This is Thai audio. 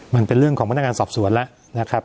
มันเป็นเรื่องของพนักงานสอบสวนแล้วนะครับ